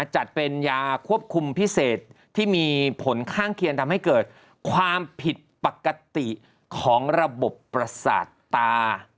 จัดเป็นยาควบคุมพิเศษที่มีผลข้างเคียงทำให้เกิดความผิดปกติของระบบประสาทตา